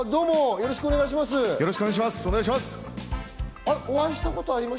よろしくお願いします。